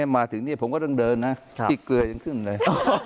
มาถึงนี่ผมก็ต้องเดินนะที่เกลือยังขึ้นเลย